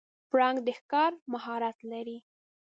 پړانګ د ښکار مهارت لري.